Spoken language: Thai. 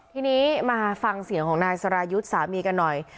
ทีนี้มาฟังเสียงของนายสรายุทธ์สามีกันหน่อย